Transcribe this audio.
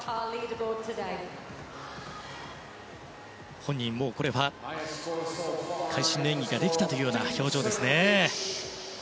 本人も、これは会心の演技ができたというような表情でした。